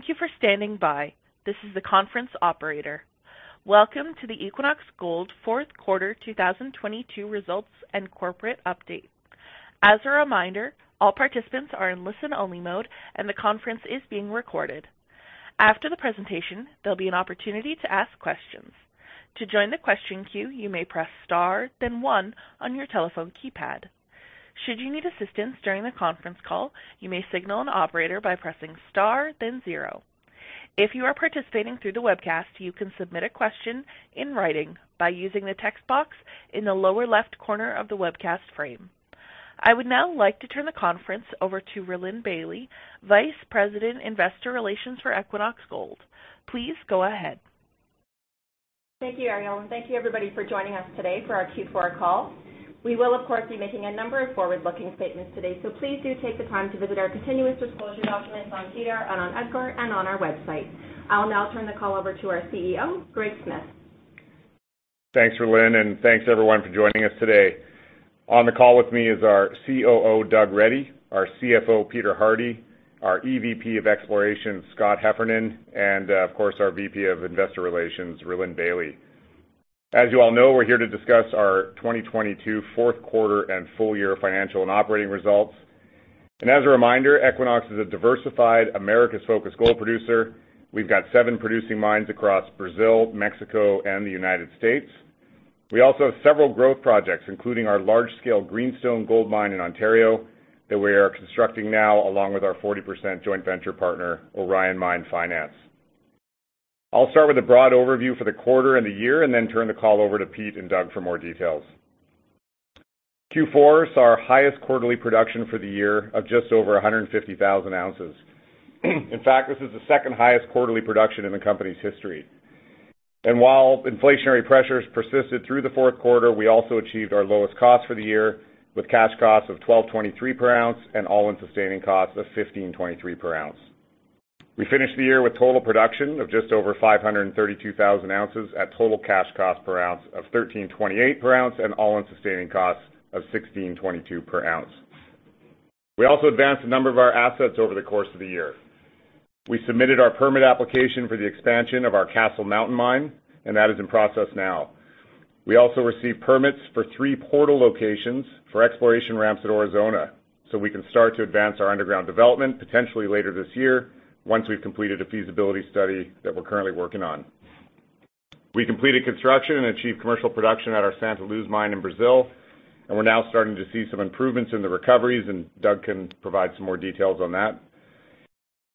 Thank you for standing by. This is the conference operator. Welcome to the Equinox Gold Fourth Quarter 2022 Results and Corporate Update. As a reminder, all participants are in listen-only mode, and the conference is being recorded. After the presentation, there'll be an opportunity to ask questions. To join the question queue, you may press Star, then one on your telephone keypad. Should you need assistance during the conference call, you may signal an operator by pressing Star, then zero. If you are participating through the webcast, you can submit a question in writing by using the text box in the lower left corner of the webcast frame. I would now like to turn the conference over to Rhylin Bailie, Vice President, Investor Relations for Equinox Gold. Please go ahead. Thank you, Ariel, and thank you everybody for joining us today for our Q4 call. We will, of course, be making a number of forward-looking statements today, please do take the time to visit our continuous disclosure documents on SEDAR and on EDGAR and on our website. I'll now turn the call over to our CEO, Greg Smith. Thanks, Rhylin. Thanks everyone for joining us today. On the call with me is our COO, Doug Reddy, our CFO, Peter Hardie, our EVP of Exploration, Scott Heffernan, and, of course, our VP of Investor Relations, Rhylin Bailie. As you all know, we're here to discuss our 2022 fourth quarter and full year financial and operating results. As a reminder, Equinox is a diversified Americas-focused gold producer. We've got seven producing mines across Brazil, Mexico, and the United States. We also have several growth projects, including our large-scale Greenstone gold mine in Ontario that we are constructing now along with our 40% joint venture partner, Orion Mine Finance. I'll start with a broad overview for the quarter and the year, and then turn the call over to Pete and Doug for more details. Q4 saw our highest quarterly production for the year of just over 150,000 ounces. In fact, this is the second highest quarterly production in the company's history. While inflationary pressures persisted through the fourth quarter, we also achieved our lowest cost for the year with cash cost of $1,223 per ounce and all-in sustaining costs of $1,523 per ounce. We finished the year with total production of just over 532,000 ounces at total cash cost per ounce of $1,328 per ounce and all-in sustaining costs of $1,622 per ounce. We also advanced a number of our assets over the course of the year. We submitted our permit application for the expansion of our Castle Mountain mine, and that is in process now. We also received permits for three portal locations for exploration ramps at Aurizona, so we can start to advance our underground development potentially later this year once we've completed a feasibility study that we're currently working on. We completed construction and achieved commercial production at our Santa Luz mine in Brazil, and we're now starting to see some improvements in the recoveries, and Doug can provide some more details on that.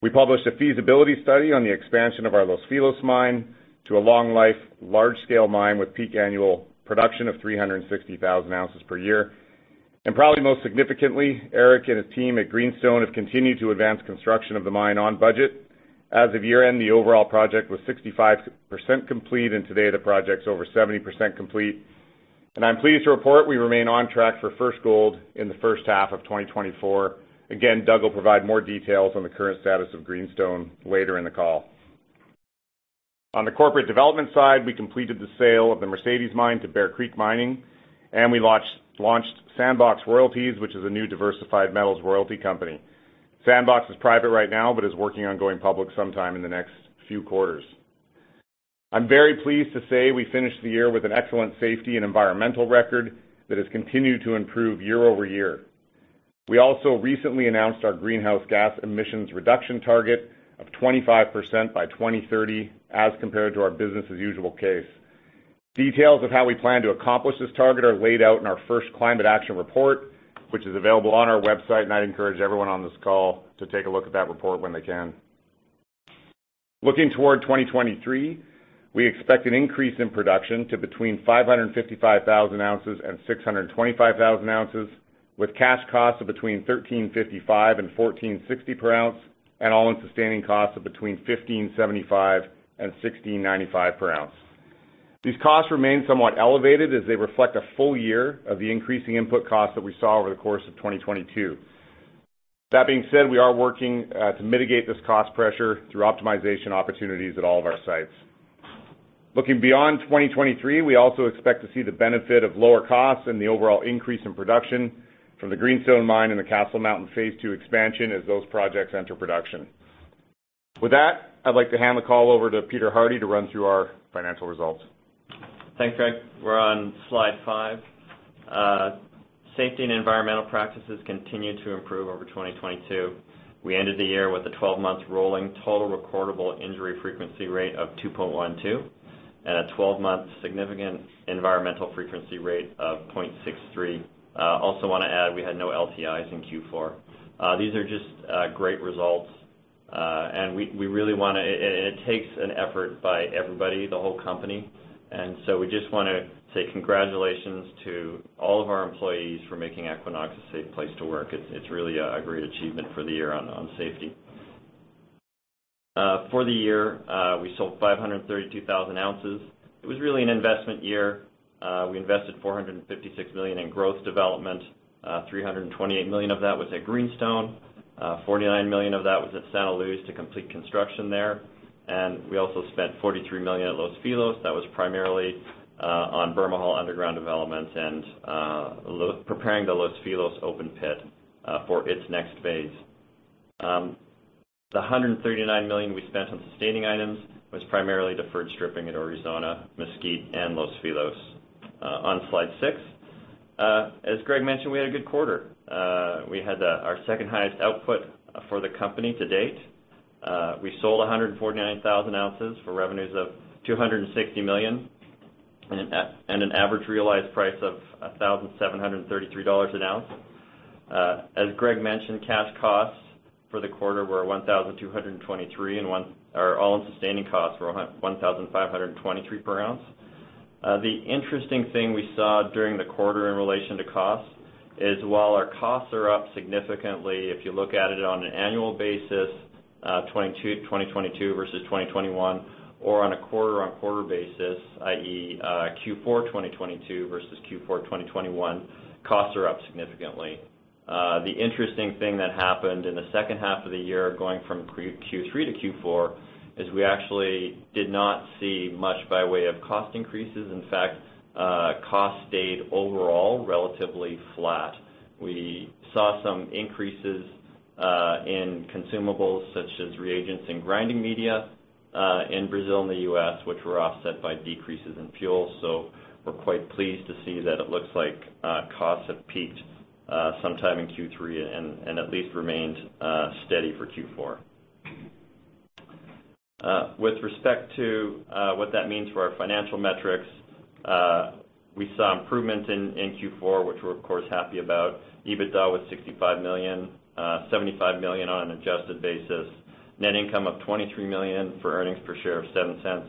We published a feasibility study on the expansion of our Los Filos mine to a long life, large scale mine with peak annual production of 360,000 ounces per year. Probably most significantly, Eric and his team at Greenstone have continued to advance construction of the mine on budget. As of year-end, the overall project was 65% complete, and today the project's over 70% complete. I'm pleased to report we remain on track for first gold in the first half of 2024. Again, Doug will provide more details on the current status of Greenstone later in the call. On the corporate development side, we completed the sale of the Mercedes Mine to Bear Creek Mining, and we launched Sandbox Royalties, which is a new diversified metals royalty company. Sandbox is private right now, but is working on going public sometime in the next few quarters. I'm very pleased to say we finished the year with an excellent safety and environmental record that has continued to improve year-over-year. We also recently announced our greenhouse gas emissions reduction target of 25% by 2030 as compared to our business as usual case. Details of how we plan to accomplish this target are laid out in our first climate action report, which is available on our website, and I'd encourage everyone on this call to take a look at that report when they can. Looking toward 2023, we expect an increase in production to between 555,000 ounces and 625,000 ounces, with cash costs of between $1,355 and $1,460 per ounce and all-in sustaining costs of between $1,575 and $1,695 per ounce. These costs remain somewhat elevated as they reflect a full year of the increasing input costs that we saw over the course of 2022. That being said, we are working to mitigate this cost pressure through optimization opportunities at all of our sites. Looking beyond 2023, we also expect to see the benefit of lower costs and the overall increase in production from the Greenstone mine and the Castle Mountain Phase 2 expansion as those projects enter production. With that, I'd like to hand the call over to Peter Hardie to run through our financial results. Thanks, Greg. We're on slide five. Safety and environmental practices continued to improve over 2022. We ended the year with a twelve-month rolling Total Recordable Injury Frequency Rate of 2.12 and a twelve-month Significant Environmental Frequency Rate of 0.63. Also wanna add, we had no LTIs in Q4. These are just great results, and we really wanna and it takes an effort by everybody, the whole company, so we just wanna say congratulations to all of our employees for making Equinox a safe place to work. It's really a great achievement for the year on safety. For the year, we sold 532,000 ounces. It was really an investment year. We invested $456 million in growth development. $328 million of that was at Greenstone. $49 million of that was at Santa Luz to complete construction there. We also spent $43 million at Los Filos. That was primarily on Bermejal underground developments and preparing the Los Filos open pit for its next phase. The $139 million we spent on sustaining items was primarily deferred stripping at Aurizona, Mesquite, and Los Filos. On slide six, as Greg mentioned, we had a good quarter. Our second-highest output for the company to date. We sold 149,000 ounces for revenues of $260 million and an average realized price of $1,733 an ounce. As Greg mentioned, cash costs for the quarter were $1,223. Our all-in sustaining costs were $1,523 per ounce. The interesting thing we saw during the quarter in relation to costs is while our costs are up significantly, if you look at it on an annual basis, 2022 versus 2021, or on a quarter-on-quarter basis, i.e., Q4 2022 versus Q4 2021, costs are up significantly. The interesting thing that happened in the second half of the year, going from pre-Q3 to Q4, is we actually did not see much by way of cost increases. In fact, costs stayed overall relatively flat. We saw some increases in consumables such as reagents and grinding media in Brazil and the U.S., which were offset by decreases in fuel. We're quite pleased to see that it looks like costs have peaked sometime in Q3 and at least remained steady for Q4. With respect to what that means for our financial metrics, we saw improvements in Q4, which we're of course happy about. EBITDA was $65 million, $75 million on an adjusted basis. Net income of $23 million for earnings per share of $0.07.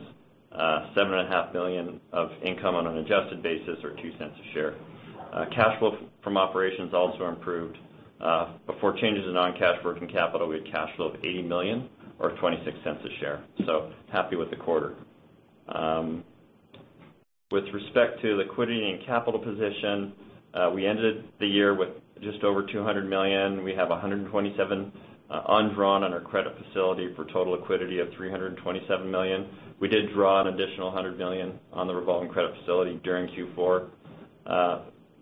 $7.5 Million of income on an adjusted basis or $0.02 a share. Cash flow from operations also improved. Before changes in non-cash working capital, we had cash flow of $80 million or $0.26 a share. Happy with the quarter. With respect to liquidity and capital position, we ended the year with just over $200 million. We have $127 million undrawn on our credit facility for total liquidity of $327 million. We did draw an additional $100 million on the revolving credit facility during Q4.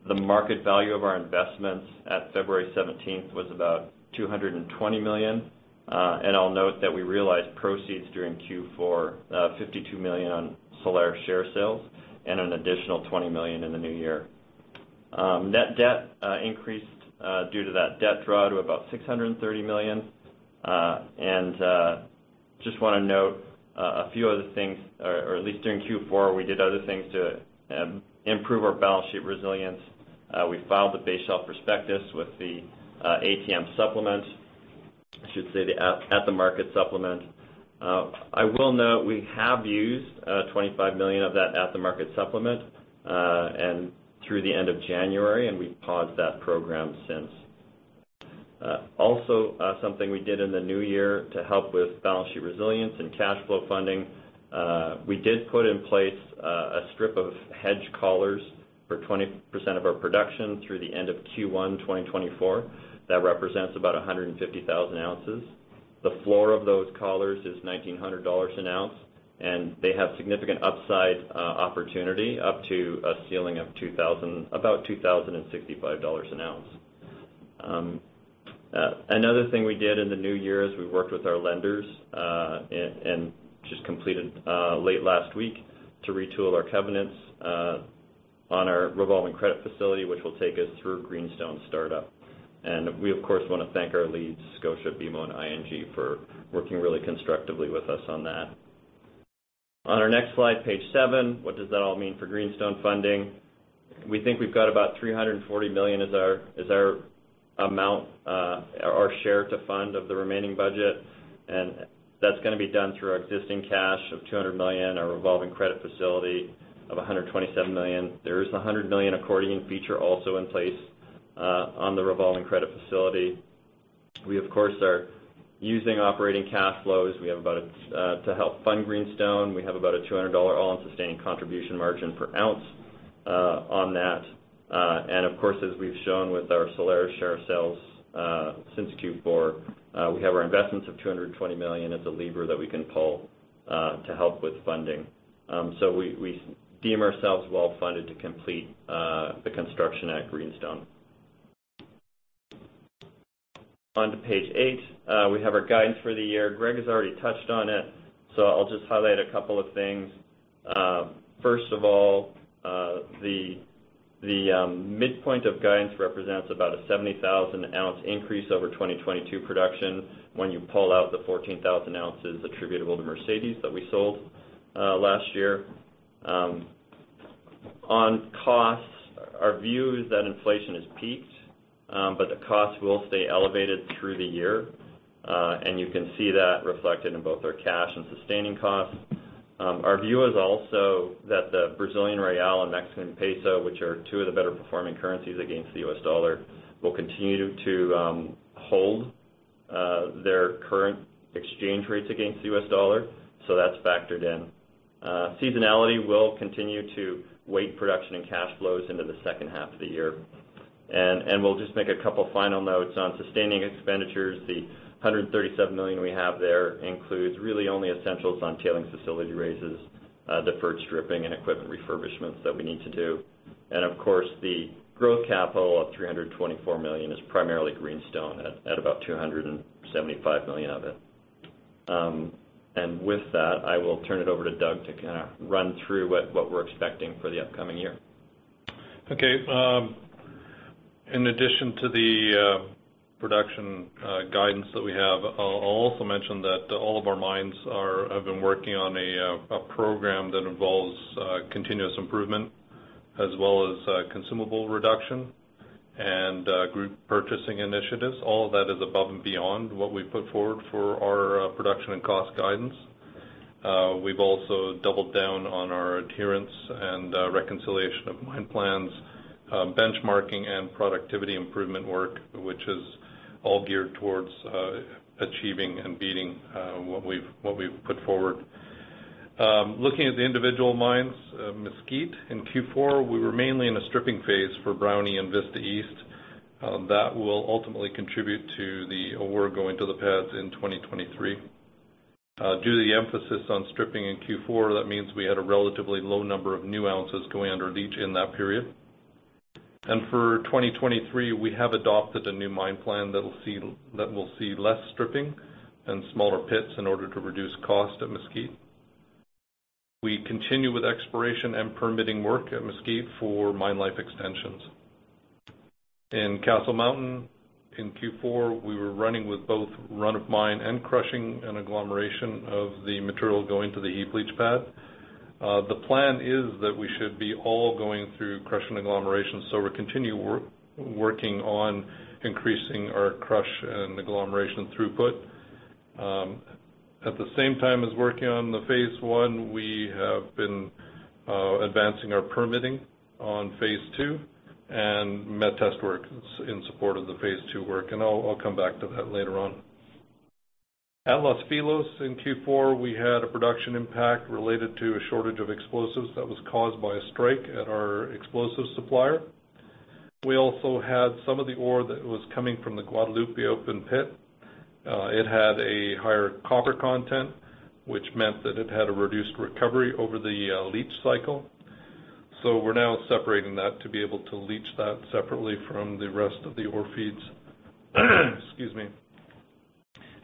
The market value of our investments at February 17th was about $220 million. I'll note that we realized proceeds during Q4, $52 million on Solaris share sales and an additional $20 million in the new year. Net debt increased due to that debt draw to about $630 million. Just wanna note a few other things, or at least during Q4, we did other things to improve our balance sheet resilience. We filed the base shelf prospectus with the ATM supplement, I should say, the at-the-market supplement. I will note we have used $25 million of that at-the-market supplement, and through the end of January, and we've paused that program since. Also, something we did in the new year to help with balance sheet resilience and cash flow funding, we did put in place a strip of hedge collars for 20% of our production through the end of Q1 2024. That represents about 150,000 ounces. The floor of those collars is $1,900 an ounce, and they have significant upside opportunity up to a ceiling of $2,000, about $2,065 an ounce. Another thing we did in the new year is we worked with our lenders and just completed late last week to retool our covenants on our revolving credit facility, which will take us through Greenstone startup. We, of course, wanna thank our leads, Scotia, BMO, and ING, for working really constructively with us on that. On our next slide, page seven, what does that all mean for Greenstone funding? We think we've got about $340 million as our, as our amount, our share to fund of the remaining budget. That's gonna be done through our existing cash of $200 million, our revolving credit facility of $127 million. There is a $100 million accordion feature also in place on the revolving credit facility. We, of course, are using operating cash flows. We have about to help fund Greenstone. We have about a $200 all-in sustaining contribution margin per ounce on that. Of course, as we've shown with our Solaris share sales since Q4, we have our investments of $220 million as a lever that we can pull to help with funding. We deem ourselves well funded to complete the construction at Greenstone. On to page eight, we have our guidance for the year. Greg has already touched on it, so I'll just highlight a couple of things. First of all, the midpoint of guidance represents about a 70,000 ounce increase over 2022 production when you pull out the 14,000 ounces attributable to Mercedes that we sold last year. On costs, our view is that inflation has peaked, the costs will stay elevated through the year. You can see that reflected in both our cash and sustaining costs. Our view is also that the Brazilian real and Mexican peso, which are two of the better performing currencies against the US dollar, will continue to hold their current exchange rates against the US dollar. That's factored in. Seasonality will continue to weight production and cash flows into the second half of the year. We'll just make a couple final notes on sustaining expenditures. The $137 million we have there includes really only essentials on tailings facility raises, deferred stripping and equipment refurbishments that we need to do. Of course, the growth capital of $324 million is primarily greenstone at about $275 million of it. With that, I will turn it over to Doug to kind of run through what we're expecting for the upcoming year. Okay. In addition to the production guidance that we have, I'll also mention that all of our mines have been working on a program that involves continuous improvement as well as consumable reduction and group purchasing initiatives. All of that is above and beyond what we put forward for our production and cost guidance. We've also doubled down on our adherence and reconciliation of mine plans, benchmarking and productivity improvement work, which is all geared towards achieving and beating what we've put forward. Looking at the individual mines, Mesquite in Q4, we were mainly in a stripping phase for Brownie and Vista East. That will ultimately contribute to the ore going to the pads in 2023. Due to the emphasis on stripping in Q4, that means we had a relatively low number of new ounces going under leach in that period. For 2023, we have adopted a new mine plan that will see less stripping and smaller pits in order to reduce cost at Mesquite. We continue with exploration and permitting work at Mesquite for mine life extensions. In Castle Mountain, in Q4, we were running with both run of mine and crushing and agglomeration of the material going to the heap leach pad. The plan is that we should be all going through crushing and agglomeration, so we're continue working on increasing our crushing and agglomeration throughput. At the same time as working on the phase one, we have been advancing our permitting on phase two and met test work in support of the phase two work. I'll come back to that later on. At Los Filos in Q4, we had a production impact related to a shortage of explosives that was caused by a strike at our explosives supplier. We also had some of the ore that was coming from the Guadalupe open pit. It had a higher copper content, which meant that it had a reduced recovery over the leach cycle. We're now separating that to be able to leach that separately from the rest of the ore feeds. Excuse me.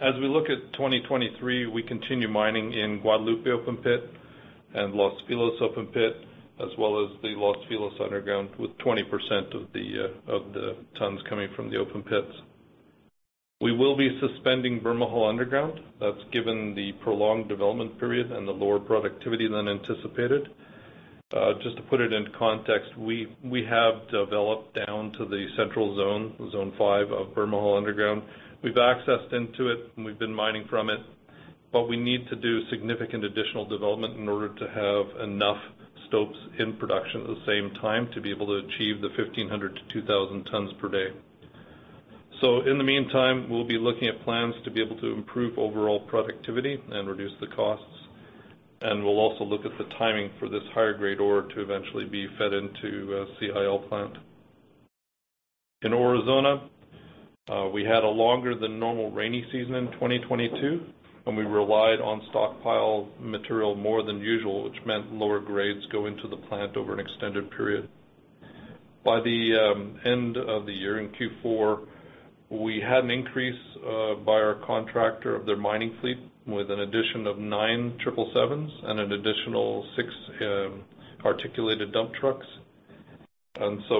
As we look at 2023, we continue mining in Guadalupe open pit and Los Filos open pit, as well as the Los Filos underground, with 20% of the tons coming from the open pits. We will be suspending Bermejal underground. That's given the prolonged development period and the lower productivity than anticipated. Just to put it into context, we have developed down to the central zone five of Bermejal underground. We've accessed into it, and we've been mining from it, but we need to do significant additional development in order to have enough stopes in production at the same time to be able to achieve the 1,500-2,000 tons per day. In the meantime, we'll be looking at plans to be able to improve overall productivity and reduce the costs. We'll also look at the timing for this higher grade ore to eventually be fed into a CIL plant. In Aurizona, we had a longer than normal rainy season in 2022, and we relied on stockpile material more than usual, which meant lower grades go into the plant over an extended period. By the end of the year in Q4, we had an increase by our contractor of their mining fleet with an addition of nine Triple Sevens and an additional six articulated dump trucks.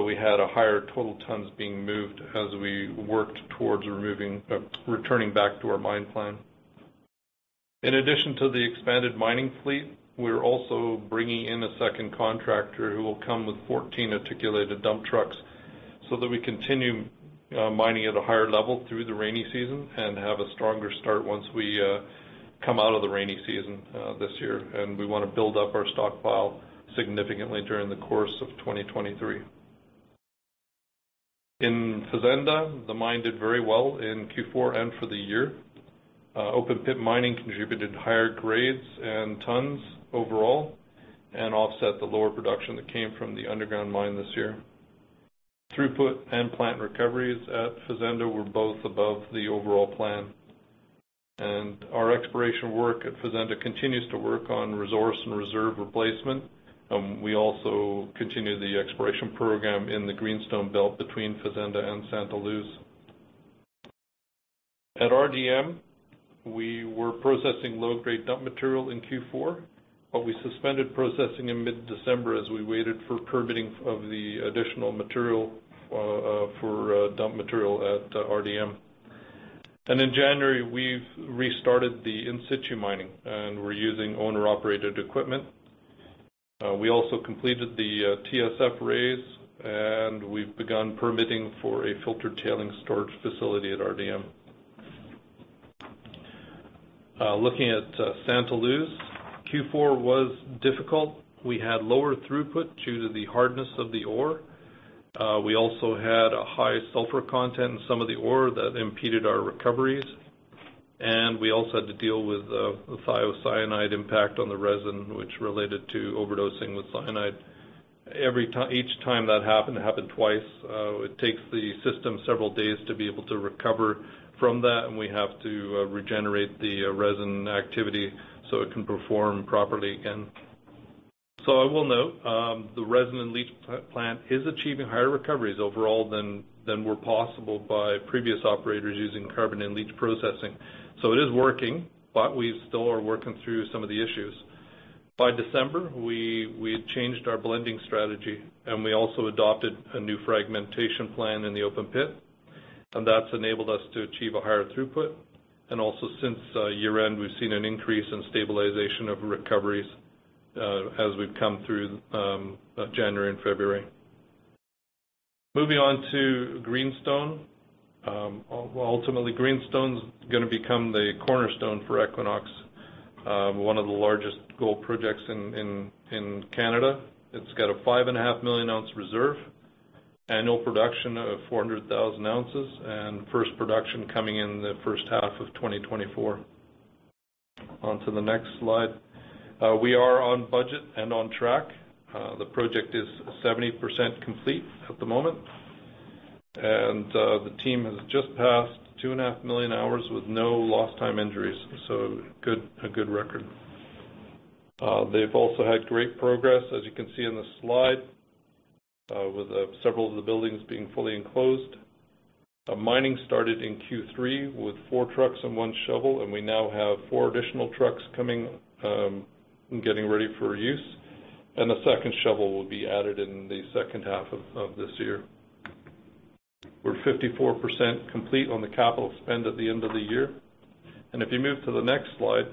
We had a higher total tons being moved as we worked towards returning back to our mine plan. In addition to the expanded mining fleet, we're also bringing in a second contractor who will come with 14 articulated dump trucks so that we continue mining at a higher level through the rainy season and have a stronger start once we come out of the rainy season this year. We wanna build up our stockpile significantly during the course of 2023. In Fazenda, the mine did very well in Q4 and for the year. Open pit mining contributed higher grades and tons overall and offset the lower production that came from the underground mine this year. Throughput and plant recoveries at Fazenda were both above the overall plan. Our exploration work at Fazenda continues to work on resource and reserve replacement. We also continue the exploration program in the greenstone belt between Fazenda and Santa Luz. At RDM, we were processing low-grade dump material in Q4, but we suspended processing in mid-December as we waited for permitting of the additional material for dump material at RDM. In January, we've restarted the in-situ mining, and we're using owner-operated equipment. We also completed the TSF raise, and we've begun permitting for a filtered tailings storage facility at RDM. Looking at Santa Luz, Q4 was difficult. We had lower throughput due to the hardness of the ore. We also had a high sulfur content in some of the ore that impeded our recoveries. We also had to deal with the thiocyanate impact on the resin, which related to overdosing with cyanide. Each time that happened, it happened twice, it takes the system several days to be able to recover from that, and we have to regenerate the resin activity so it can perform properly again. I will note, the resin and leach plant is achieving higher recoveries overall than were possible by previous operators using carbon-in-leach processing. It is working, but we still are working through some of the issues. By December, we had changed our blending strategy, and we also adopted a new fragmentation plan in the open pit, and that's enabled us to achieve a higher throughput. Also, since year-end, we've seen an increase in stabilization of recoveries, as we've come through January and February. Moving on to Greenstone. Ultimately, Greenstone's gonna become the cornerstone for Equinox, one of the largest gold projects in Canada. It's got a 5.5 million ounce reserve, annual production of 400,000 ounces, and first production coming in the first half of 2024. On to the next slide. We are on budget and on track. The project is 70% complete at the moment. The team has just passed 2.5 million hours with no lost time injuries, so a good record. They've also had great progress, as you can see in the slide, with several of the buildings being fully enclosed. Mining started in Q3 with four trucks and one shovel, and we now have four additional trucks coming, getting ready for use. A second shovel will be added in the second half of this year. We're 54% complete on the CapEx spend at the end of the year. If you move to the next slide,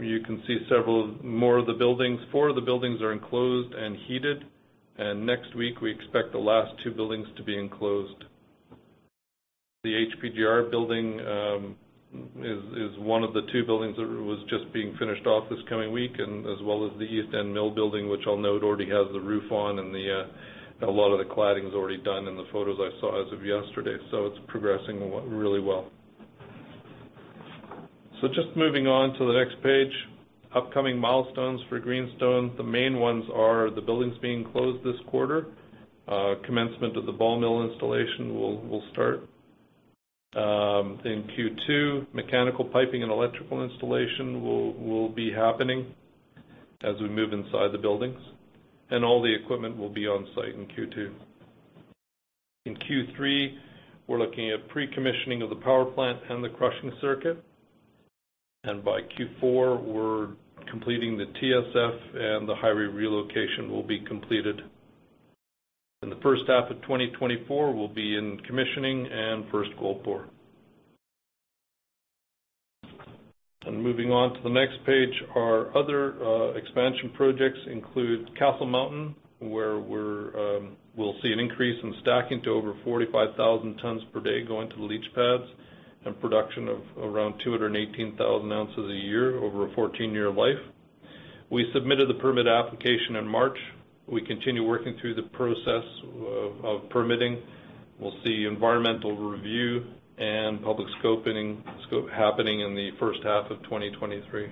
you can see several more of the buildings. Four of the buildings are enclosed and heated, and next week we expect the last two buildings to be enclosed. The HPGR building is one of the two buildings that was just being finished off this coming week, and as well as the east end mill building, which I'll note already has the roof on and the a lot of the cladding is already done in the photos I saw as of yesterday. It's progressing really well. Just moving on to the next page. Upcoming milestones for Greenstone. The main ones are the buildings being closed this quarter. Commencement of the ball mill installation will start. In Q2, mechanical piping and electrical installation will be happening as we move inside the buildings. All the equipment will be on-site in Q2. In Q3, we're looking at pre-commissioning of the power plant and the crushing circuit. By Q4, we're completing the TSF and the highway relocation will be completed. In the first half of 2024, we'll be in commissioning and first gold pour. Moving on to the next page, our other expansion projects include Castle Mountain, where we'll see an increase in stacking to over 45,000 tons per day going to the leach pads and production of around 218,000 ounces a year over a 14-year life. We submitted the permit application in March. We continue working through the process of permitting. We'll see environmental review and public scoping, scope happening in the first half of 2023.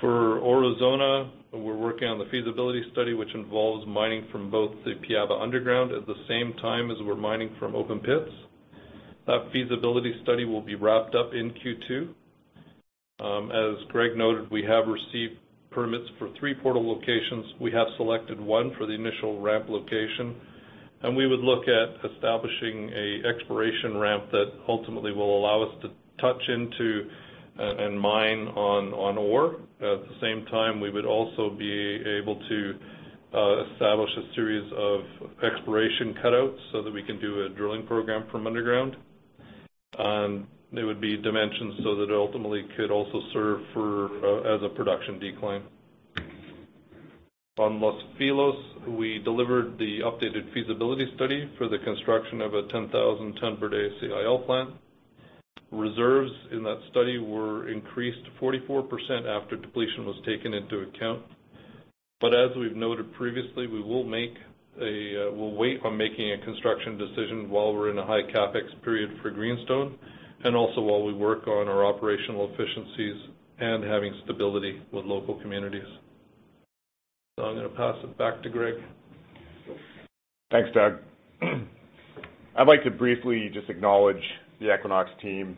For Aurizona, we're working on the feasibility study, which involves mining from both the Piaba underground at the same time as we're mining from open pits. That feasibility study will be wrapped up in Q2. As Greg noted, we have received permits for three portal locations. We have selected one for the initial ramp location. We would look at establishing a exploration ramp that ultimately will allow us to touch into and mine on ore. At the same time, we would also be able to establish a series of exploration cutouts so that we can do a drilling program from underground. It would be dimensions so that it ultimately could also serve for as a production decline. On Los Filos, we delivered the updated feasibility study for the construction of a 10,000 ton per day CIL plant. Reserves in that study were increased 44% after depletion was taken into account. As we've noted previously, we will make a, we'll wait on making a construction decision while we're in a high CapEx period for Greenstone, and also while we work on our operational efficiencies and having stability with local communities. I'm gonna pass it back to Greg. Thanks, Doug. I'd like to briefly just acknowledge the Equinox team.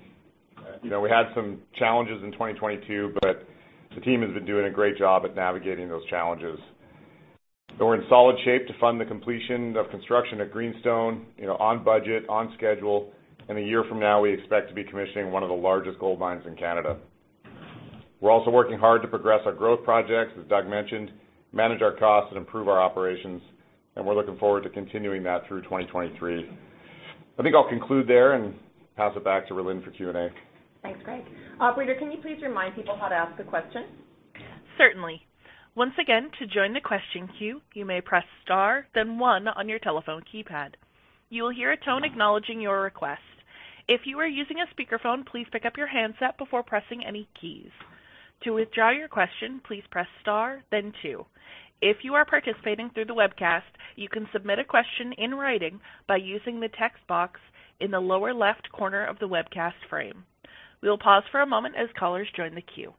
You know, we had some challenges in 2022, but the team has been doing a great job at navigating those challenges. We're in solid shape to fund the completion of construction at Greenstone, you know, on budget, on schedule. A year from now, we expect to be commissioning one of the largest gold mines in Canada. We're also working hard to progress our growth projects, as Doug mentioned, manage our costs, and improve our operations. We're looking forward to continuing that through 2023. I think I'll conclude there and pass it back to Rhylin for Q&A. Thanks, Greg. Operator, can you please remind people how to ask a question? Certainly. Once again, to join the question queue, you may press star then one on your telephone keypad. You will hear a tone acknowledging your request. If you are using a speakerphone, please pick up your handset before pressing any keys. To withdraw your question, please press star then two. If you are participating through the webcast, you can submit a question in writing by using the text box in the lower left corner of the webcast frame. We will pause for a moment as callers join the queue.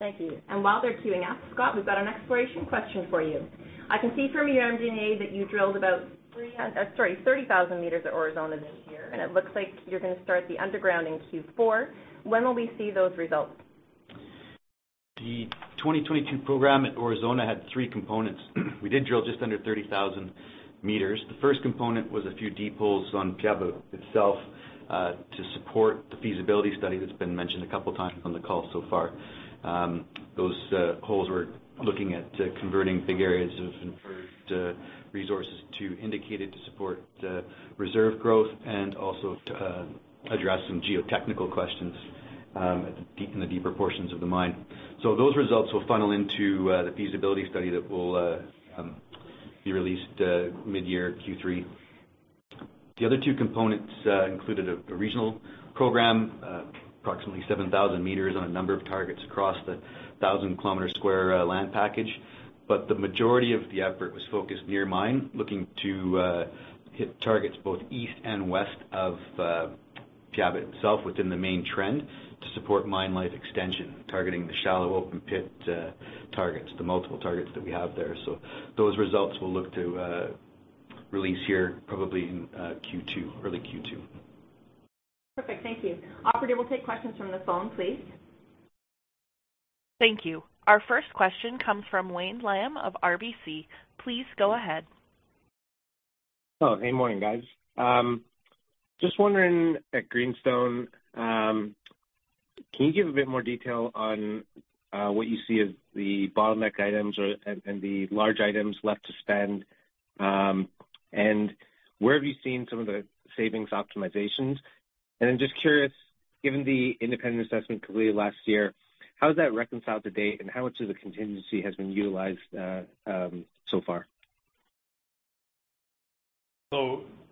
Thank you. While they're queuing up, Scott, we've got an exploration question for you. I can see from your MD&A that you drilled about 30,000 meters at Aurizona this year, and it looks like you're gonna start the underground in Q4. When will we see those results? The 2022 program at Aurizona had three components. We did drill just under 30,000 meters. The first component was a few deep holes on Piaba itself, to support the feasibility study that's been mentioned a couple times on the call so far. Those holes we're looking at converting big areas of inferred resources to indicated to support reserve growth and also to address some geotechnical questions in the deeper portions of the mine. So those results will funnel into the feasibility study that will be released mid-year Q3. The other two components included a regional program, approximately 7,000 meters on a number of targets across the 1,000-kilometer square land package. The majority of the effort was focused near mine, looking to hit targets both east and west of Piaba itself within the main trend to support mine life extension, targeting the shallow open pit targets, the multiple targets that we have there. Those results we'll look to release here probably in Q2, early Q2. Perfect. Thank you. Operator, we'll take questions from the phone, please. Thank you. Our first question comes from Wayne Lam of RBC. Please go ahead. Oh, hey, morning, guys. Just wondering at Greenstone, can you give a bit more detail on what you see as the bottleneck items and the large items left to spend, and where have you seen some of the savings optimizations? I'm just curious, given the independent assessment completed last year, how does that reconcile to date, and how much of the contingency has been utilized so far?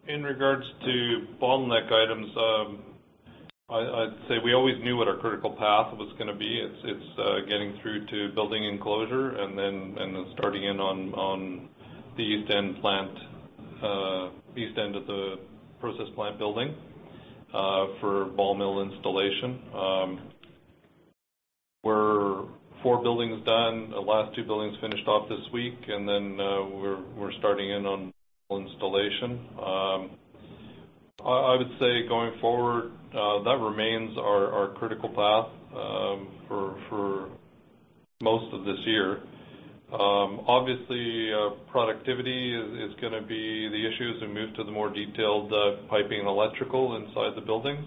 In regards to bottleneck items, I'd say we always knew what our critical path was gonna be. It's getting through to building enclosure and then starting in on the east end plant, east end of the process plant building, for ball mill installation. We're four buildings done, the last two buildings finished off this week, and then we're starting in on installation. I would say going forward, that remains our critical path for most of this year. Obviously, productivity is gonna be the issue as we move to the more detailed piping and electrical inside the buildings.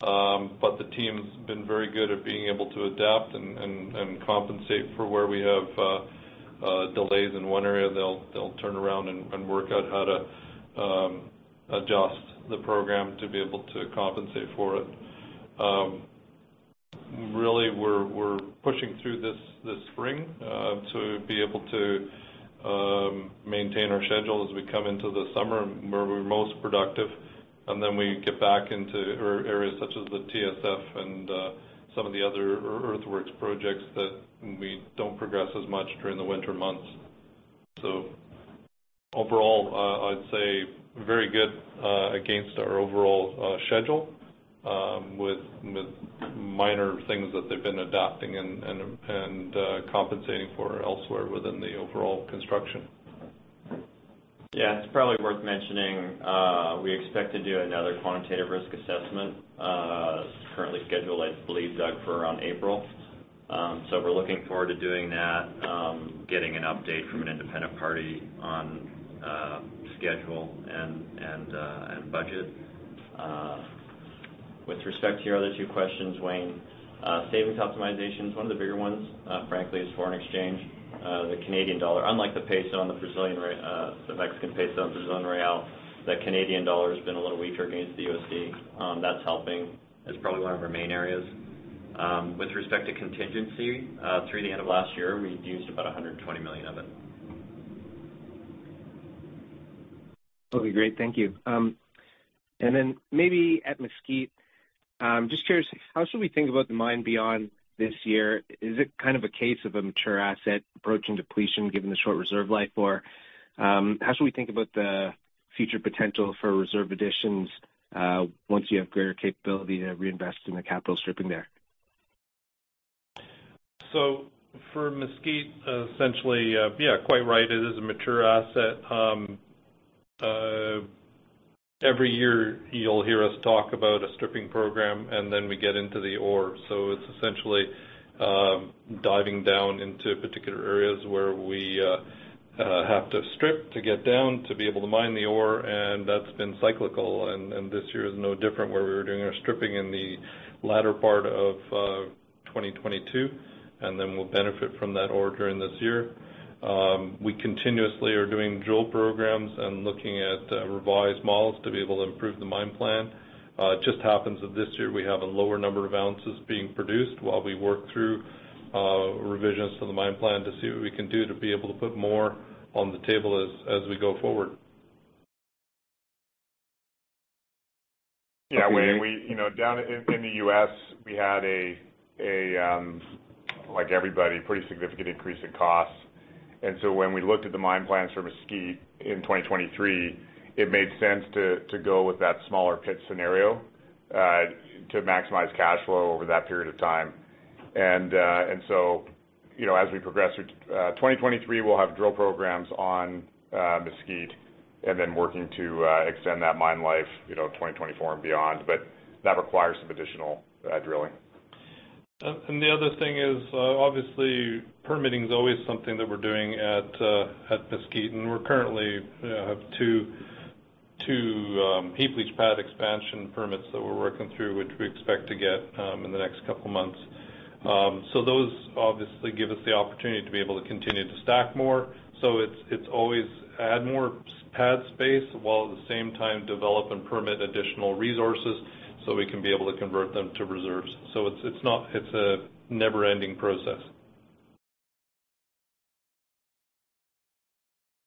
The team's been very good at being able to adapt and compensate for where we have delays in one area. They'll turn around and work out how to adjust the program to be able to compensate for it. Really, we're pushing through this spring to be able to maintain our schedule as we come into the summer where we're most productive, and then we get back into areas such as the TSF and some of the other earthworks projects that we don't progress as much during the winter months. Overall, I'd say very good against our overall schedule, with minor things that they've been adapting and compensating for elsewhere within the overall construction. Yeah. It's probably worth mentioning, we expect to do another quantitative risk assessment, currently scheduled, I believe, Doug, for around April. We're looking forward to doing that, getting an update from an independent party on schedule and budget. With respect to your other two questions, Wayne, savings optimization, one of the bigger ones, frankly, is foreign exchange. The Canadian dollar, unlike the peso and the Mexican peso and Brazilian real, the Canadian dollar has been a little weaker against the USD. That's helping. It's probably one of our main areas. With respect to contingency, through the end of last year, we've used about $120 million of it. Okay, great. Thank you. Maybe at Mesquite, just curious, how should we think about the mine beyond this year? Is it kind of a case of a mature asset approaching depletion given the short reserve life? How should we think about the future potential for reserve additions, once you have greater capability to reinvest in the capital stripping there? For Mesquite, essentially, yeah, quite right, it is a mature asset. Every year, you'll hear us talk about a stripping program, and then we get into the ore. It's essentially, diving down into particular areas where we have to strip to get down to be able to mine the ore, and that's been cyclical. This year is no different, where we were doing our stripping in the latter part of 2022, and then we'll benefit from that ore during this year. We continuously are doing drill programs and looking at revised models to be able to improve the mine plan. It just happens that this year we have a lower number of ounces being produced while we work through revisions to the mine plan to see what we can do to be able to put more on the table as we go forward. Yeah, Wayne down in the U.S., we had a, like everybody, pretty significant increase in costs. When we looked at the mine plans for Mesquite in 2023, it made sense to go with that smaller pit scenario, to maximize cash flow over that period of time. So, you know, as we progress through 2023, we'll have drill programs on Mesquite and then working to extend that mine life, you know, 2024 and beyond. That requires some additional drilling. The other thing is, obviously permitting is always something that we're doing at Mesquite. We currently have two heap leach pad expansion permits that we're working through, which we expect to get in the next couple of months. Those obviously give us the opportunity to be able to continue to stack more. It's, it's always add more pad space while at the same time develop and permit additional resources so we can be able to convert them to reserves. It's, it's not. It's a never ending process.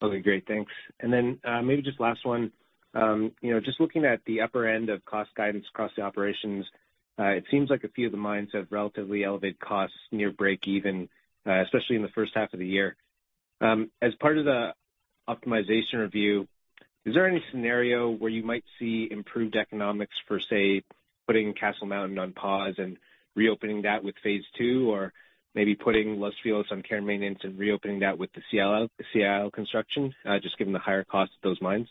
Okay, great. Thanks. Maybe just last one. Just looking at the upper end of cost guidance across the operations, it seems like a few of the mines have relatively elevated costs near break even, especially in the first half of the year. As part of the optimization review, is there any scenario where you might see improved economics for, say, putting Castle Mountain on pause and reopening that with Phase 2, or maybe putting Los Filos on care and maintenance and reopening that with the CIL construction, just given the higher cost of those mines?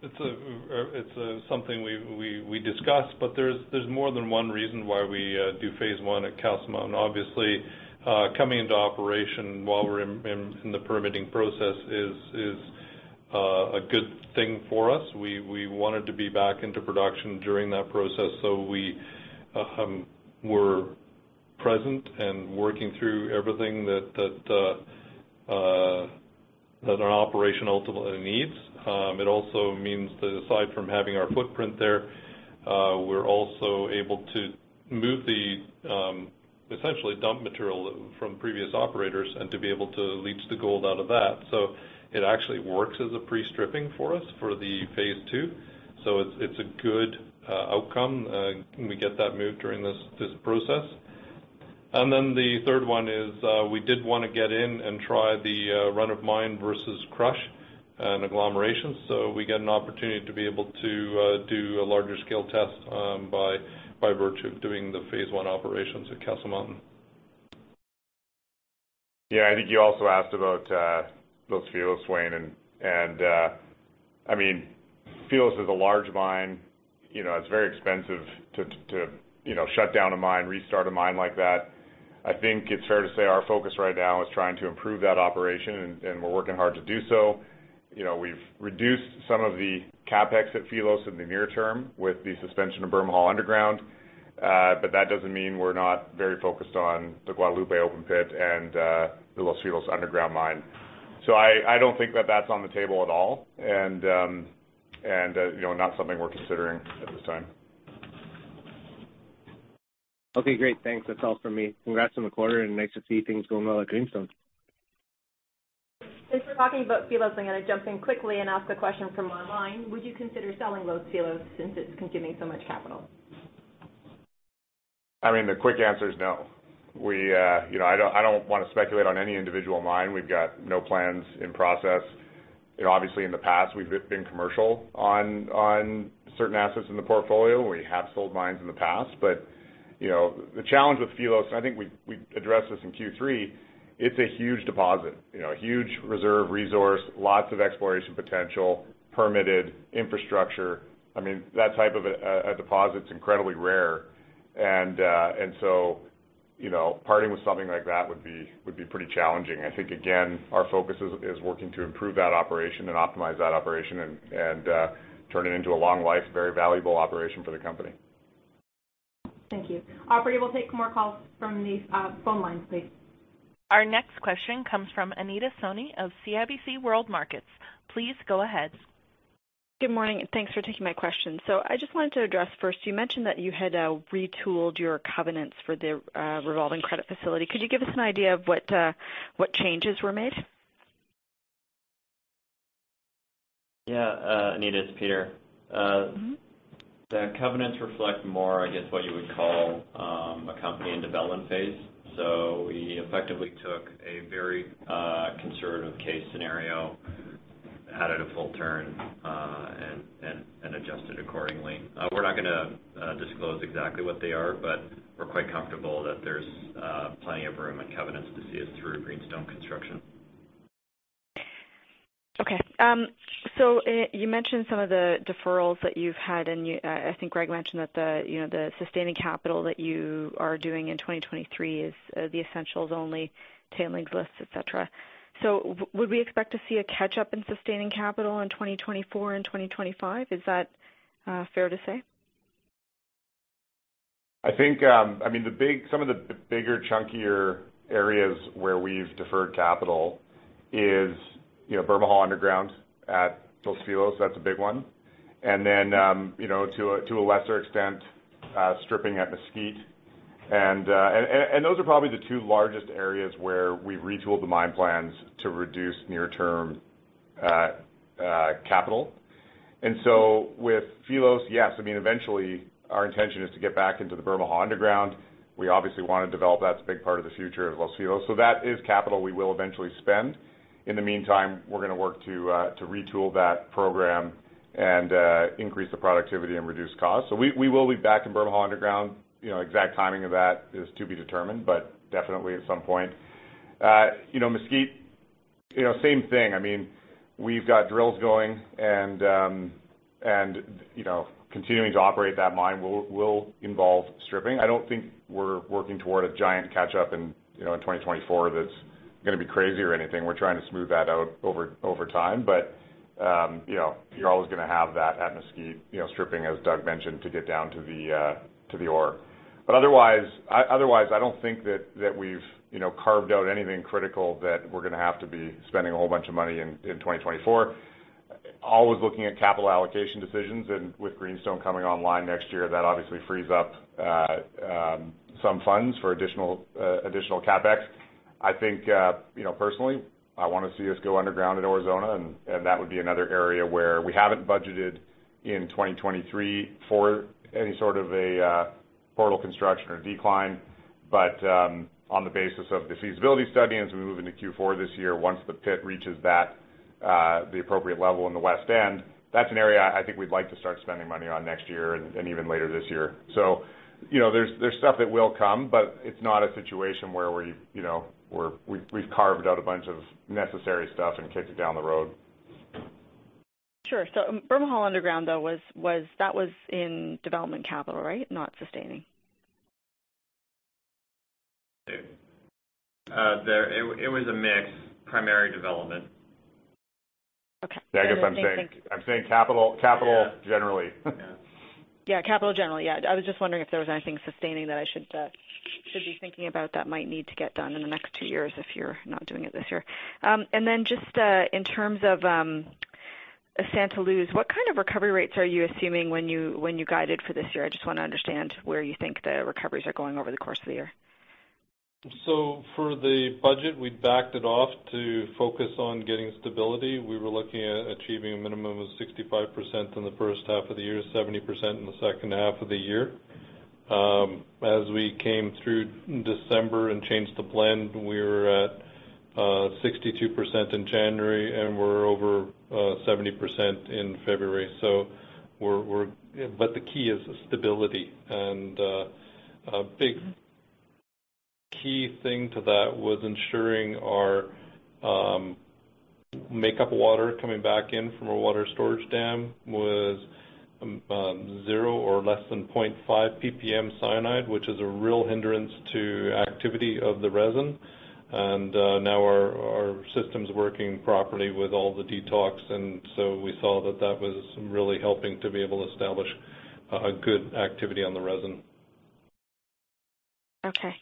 It's something we discussed, but there's more than one reason why we do phase one at Castle Mountain. Obviously, coming into operation while we're in the permitting process is a good thing for us. We wanted to be back into production during that process. We were present and working through everything that our operation ultimately needs. It also means that aside from having our footprint there, we're also able to move the essentially dump material from previous operators and to be able to leach the gold out of that. It actually works as a pre-stripping for us for the phase two. It's a good outcome, can we get that moved during this process. The 3rd one is, we did wanna get in and try the run-of-mine versus crushing and agglomeration. We get an opportunity to be able to do a larger scale test by virtue of doing the phase 1 operations at Castle Mountain. I think you also asked about Los Filos, Wayne. I mean, Filos is a large mine. You know, it's very expensive to, you know, shut down a mine, restart a mine like that. I think it's fair to say our focus right now is trying to improve that operation, and we're working hard to do so. You know, we've reduced some of the CapEx at Filos in the near term with the suspension of Bermejal underground. But that doesn't mean we're not very focused on the Guadalupe open pit and the Los Filos underground mine. I don't think that that's on the table at all. You know, not something we're considering at this time. Okay, great. Thanks. That's all for me. Congrats on the quarter and nice to see things going well at Greenstone. Since we're talking about Filos, I'm gonna jump in quickly and ask a question from online. Would you consider selling Los Filos since it's consuming so much capital? I mean, the quick answer is no. We, you know, I don't wanna speculate on any individual mine. We've got no plans in process. You know, obviously, in the past, we've been commercial on certain assets in the portfolio. We have sold mines in the past, but the challenge with Los Filos, I think we addressed this in Q3, it's a huge deposit. You know, huge reserve resource, lots of exploration potential, permitted infrastructure. I mean, that type of a deposit is incredibly rare. parting with something like that would be pretty challenging. I think, again, our focus is working to improve that operation and optimize that operation and turn it into a long life, very valuable operation for the company. Thank you. Operator, we'll take more calls from the phone lines, please. Our next question comes from Anita Soni of CIBC World Markets. Please go ahead. Good morning, thanks for taking my question. I just wanted to address first, you mentioned that you had retooled your covenants for the revolving credit facility. Could you give us an idea of what changes were made? Yeah. Anita, it's Peter. The covenants reflect more, I guess, what you would call, a company in development phase. We effectively took a very conservative case scenario, had it a full turn, and adjusted accordingly. We're not gonna disclose exactly what they are, but we're quite comfortable that there's plenty of room and covenants to see us through Greenstone construction. Okay. You mentioned some of the deferrals that you've had, and you, I think Greg mentioned that the, you know, the sustaining capital that you are doing in 2023 is the essentials only, tailings lifts, et cetera. Would we expect to see a catch-up in sustaining capital in 2024 and 2025? Is that fair to say? I think, I mean, some of the bigger chunkier areas where we've deferred capital is, you know, Bermejal underground at Los Filos, that's a big one. Then, you know, to a lesser extent, stripping at Mesquite. And those are probably the two largest areas where we retooled the mine plans to reduce near term capital. With Filos, yes, I mean, eventually our intention is to get back into the Bermejal underground. We obviously wanna develop. That's a big part of the future of Los Filos. So that is capital we will eventually spend. In the meantime, we're gonna work to retool that program and increase the productivity and reduce costs. We will be back in Bermejal underground, you know, exact timing of that is to be determined, but definitely at some point. Mesquite, you know, same thing. I mean, we've got drills going and, you know, continuing to operate that mine will involve stripping. I don't think we're working toward a giant catch up in, you know, in 2024 that's gonna be crazy or anything. We're trying to smooth that out over time. You know, you're always gonna have that at Mesquite, you know, stripping, as Doug mentioned, to get down to the ore. Otherwise, otherwise, I don't think that we've, you know, carved out anything critical that we're gonna have to be spending a whole bunch of money in 2024. Always looking at capital allocation decisions. With Greenstone coming online next year, that obviously frees up some funds for additional additional CapEx. I think personally, I wanna see us go underground at Aurizona, and that would be another area where we haven't budgeted in 2023 for any sort of portal construction or decline. On the basis of the feasibility study, and as we move into Q4 this year, once the pit reaches that the appropriate level in the west end, that's an area I think we'd like to start spending money on next year and even later this year. You know, there's stuff that will come, but it's not a situation where we, you know, we've carved out a bunch of necessary stuff and kicked it down the road. Sure. Bermejal underground, though, was... That was in development capital, right? Not sustaining. It was a mix, primary development. Okay. Yeah, I guess I'm saying capital generally. Yeah, capital generally. Yeah. I was just wondering if there was anything sustaining that I should be thinking about that might need to get done in the next two years if you're not doing it this year. Just in terms of Santa Luz, what kind of recovery rates are you assuming when you, when you guided for this year? I just wanna understand where you think the recoveries are going over the course of the year. For the budget, we backed it off to focus on getting stability. We were looking at achieving a minimum of 65% in the first half of the year, 70% in the second half of the year. As we came through December and changed the blend, we were at 62% in January, and we're over 70% in February. The key is stability. A big key thing to that was ensuring our makeup water coming back in from our water storage dam was zero or less than 0.5 PPM cyanide, which is a real hindrance to activity of the resin. Now our system's working properly with all the detox, we saw that that was really helping to be able to establish a good activity on the resin. Okay.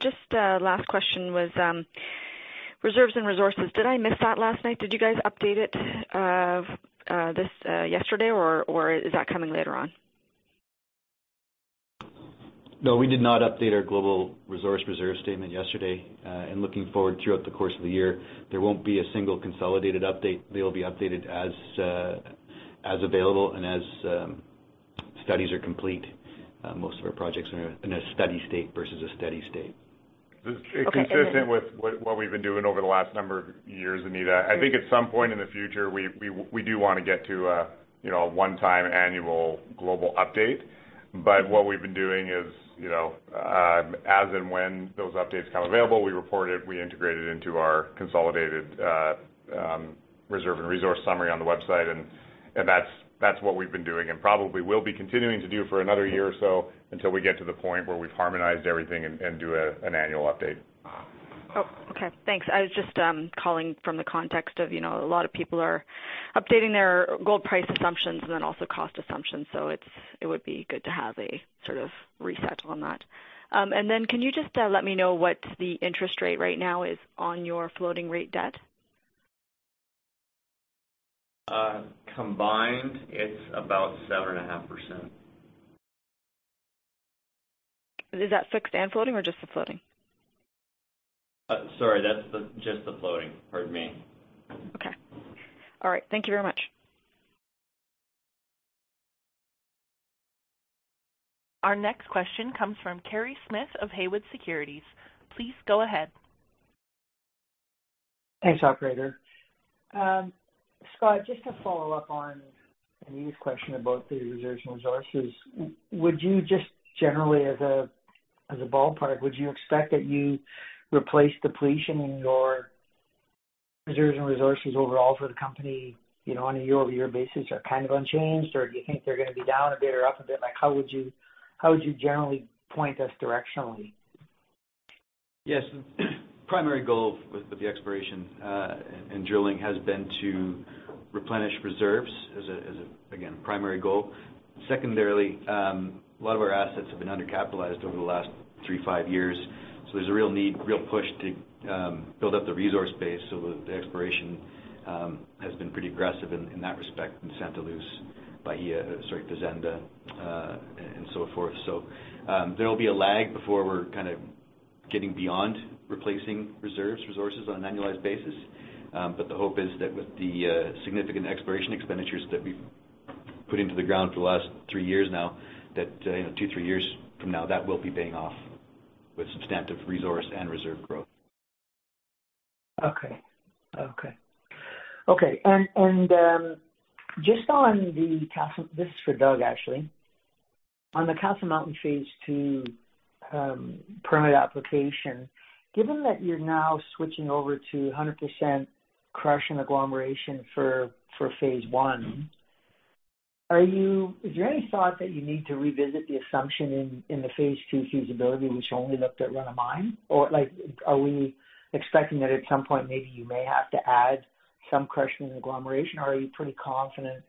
Just a last question was, reserves and resources. Did I miss that last night? Did you guys update it, this, yesterday, or is that coming later on? No, we did not update our global resource reserve statement yesterday. Looking forward throughout the course of the year, there won't be a single consolidated update. They'll be updated as available and as studies are complete. Most of our projects are in a study state versus a steady state. Okay. It's consistent with what we've been doing over the last number of years, Anita. I think at some point in the future, we do wanna get to a, you know, a one-time annual global update. What we've been doing is as and when those updates become available, we report it, we integrate it into our consolidated reserve and resource summary on the website, and that's what we've been doing and probably will be continuing to do for another year or so until we get to the point where we've harmonized everything and do an annual update. Oh, okay. Thanks. I was just calling from the context of, you know, a lot of people are updating their gold price assumptions and then also cost assumptions, so it's, it would be good to have a sort of reset on that. Can you just let me know what the interest rate right now is on your floating rate debt? Combined, it's about 7.5%. Is that fixed and floating or just the floating? Sorry, that's the, just the floating. Pardon me. Okay. All right. Thank you very much. Our next question comes from Kerry Smith of Haywood Securities. Please go ahead. Thanks, operator. Scott, just to follow up on Anita's question about the reserves and resources, would you just generally, as a ballpark, would you expect that you replace depletion in your reserves and resources overall for the company, you know, on a year-over-year basis are kind of unchanged, or do you think they're gonna be down a bit or up a bit? Like, how would you generally point us directionally? Yes. Primary goal with the exploration, and drilling has been to replenish reserves as a, again, primary goal. Secondarily, a lot of our assets have been undercapitalized over the last three to five years, so there's a real need, real push to build up the resource base. The exploration has been pretty aggressive in that respect in Santa Luz. Bahia, sorry, Fazenda, and so forth. There will be a lag before we're kind of getting beyond replacing reserves, resources on an annualized basis. The hope is that with the significant exploration expenditures that we've put into the ground for the last three years now that two, three years from now, that will be paying off with substantive resource and reserve growth. Okay. Just on the Castle... This is for Doug, actually. On the Castle Mountain Phase 2, permit application, given that you're now switching over to 100% crushing and agglomeration for Phase 1, is there any thought that you need to revisit the assumption in the Phase 2 feasibility, which only looked at run of mine? Like, are we expecting that at some point, maybe you may have to add some crushing and agglomeration? Are you pretty confident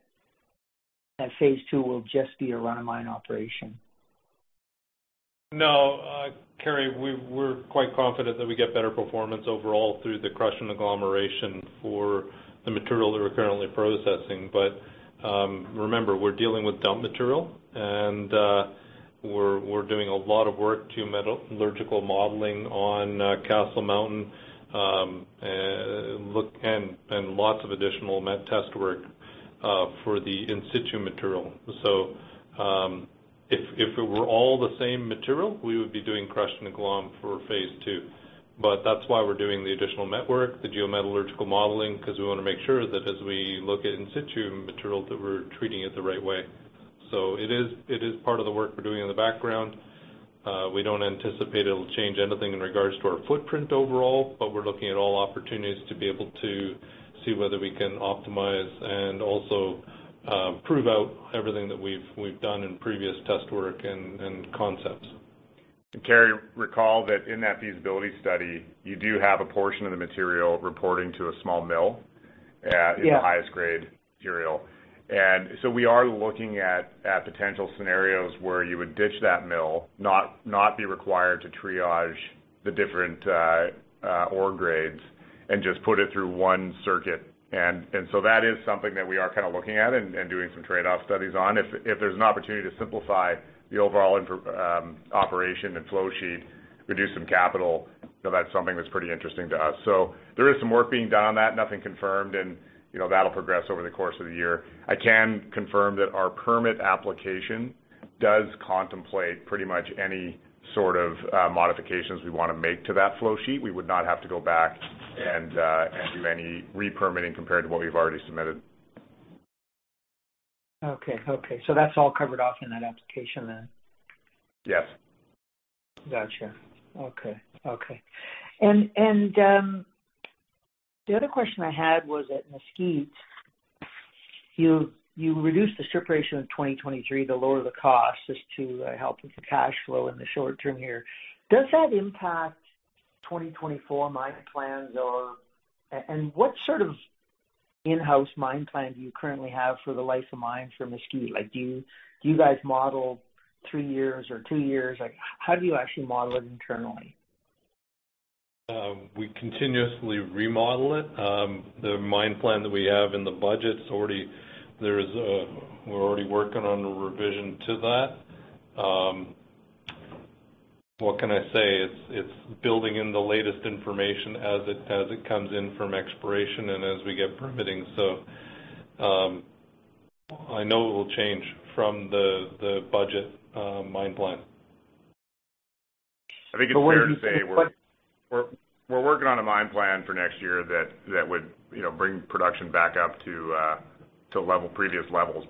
that Phase 2 will just be a run of mine operation? No. Kerry, we're quite confident that we get better performance overall through the crushing and agglomeration for the material that we're currently processing. Remember, we're dealing with dump material, and we're doing a lot of work to metallurgical modeling on Castle Mountain, and lots of additional met test work for the in-situ material. If it were all the same material, we would be doing crushing and agglomeration for Phase 2. That's why we're doing the additional network, the geometallurgical modeling, because we wanna make sure that as we look at in-situ material, that we're treating it the right way. It is part of the work we're doing in the background. We don't anticipate it'll change anything in regards to our footprint overall, but we're looking at all opportunities to be able to see whether we can optimize and also prove out everything that we've done in previous test work and concepts. Kerry, recall that in that feasibility study, you do have a portion of the material reporting to a small mill. Yeah in the highest grade material. We are looking at potential scenarios where you would ditch that mill, not be required to triage the different ore grades and just put it through one circuit. That is something that we are kind of looking at and doing some trade-off studies on. If there's an opportunity to simplify the overall operation and flow sheet, reduce some capital, you know, that's something that's pretty interesting to us. There is some work being done on that. Nothing confirmed and, you know, that'll progress over the course of the year. I can confirm that our permit application does contemplate pretty much any sort of modifications we wanna make to that flow sheet. We would not have to go back and do any re-permitting compared to what we've already submitted. Okay. That's all covered off in that application then? Yes. Gotcha. Okay. The other question I had was at Mesquite, you reduced the strip ratio in 2023 to lower the costs just to help with the cash flow in the short term here. Does that impact 2024 mine plans or what sort of in-house mine plan do you currently have for the life of mine for Mesquite? Like, do you guys model three years or two years? Like, how do you actually model it internally? We continuously remodel it. The mine plan that we have in the budget's already. We're already working on a revision to that. What can I say? It's building in the latest information as it comes in from exploration and as we get permitting. I know it will change from the budget, mine plan. when you- I think it's fair to say we're working on a mine plan for next year that would, you know, bring production back up to level, previous levels.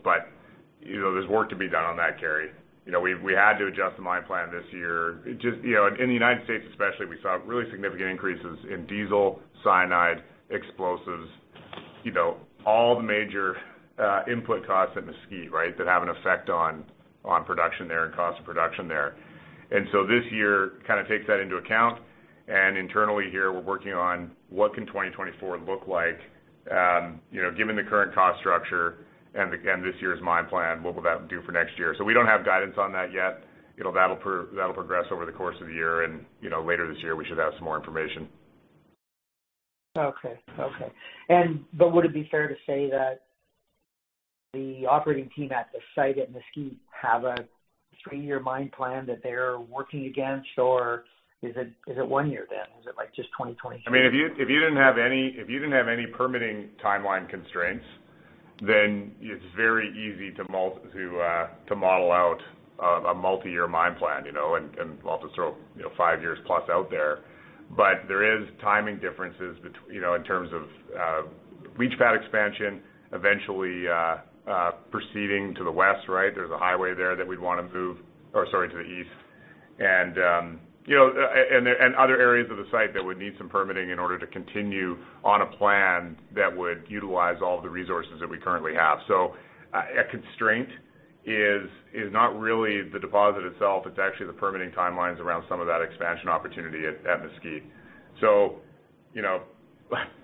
You know, there's work to be done on that, Kerry. You know, we had to adjust the mine plan this year. Just, you know, in the United States especially, we saw really significant increases in diesel, cyanide, explosives, you know, all the major input costs at Mesquite, right? That have an effect on production there and cost of production there. This year kind of takes that into account. Int ernally here, we're working on what can 2024 look like, you know, given the current cost structure and this year's mine plan, what will that do for next year? We don't have guidance on that yet. You know, that'll progress over the course of the year. You know, later this year, we should have some more information. Okay. Would it be fair to say that the operating team at the site at Mesquite have a three-year mine plan that they're working against is it one year then? Is it, like, just 2023? I mean, if you didn't have any permitting timeline constraints, then it's very easy to model out a multi-year mine plan, you know, and also throw, you know, five years plus out there. There is timing differences, you know, in terms of reach pad expansion, eventually proceeding to the west, right? There's a highway there that we'd wanna move. Or sorry, to the east. You know, and other areas of the site that would need some permitting in order to continue on a plan that would utilize all of the resources that we currently have. A constraint is not really the deposit itself, it's actually the permitting timelines around some of that expansion opportunity at Mesquite. You know,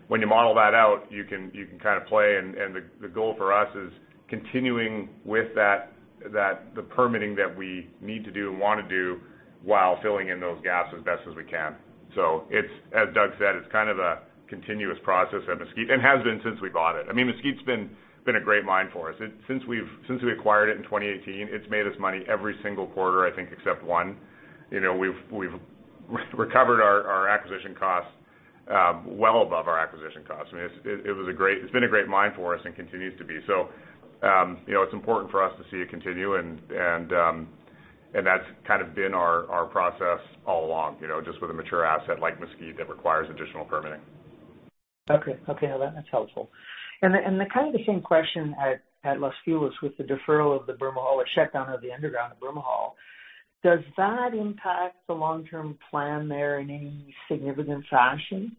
when you model that out, you can kind of play and the goal for us is continuing with that the permitting that we need to do and wanna do while filling in those gaps as best as we can. As Doug Reddy said, it's kind of a continuous process at Mesquite and has been since we bought it. I mean, Mesquite's been a great mine for us. Since we acquired it in 2018, it's made us money every single quarter, I think except one. You know, we've recovered our acquisition costs, well above our acquisition costs. I mean, it's been a great mine for us and continues to be. You know, it's important for us to see it continue and that's kind of been our process all along just with a mature asset like Mesquite that requires additional permitting. Okay. Okay, that's helpful. The kind of the same question at Los Filos with the deferral of the Bermejal or shutdown of the underground of Bermejal, does that impact the long-term plan there in any significant fashion?